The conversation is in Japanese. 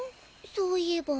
そういえば。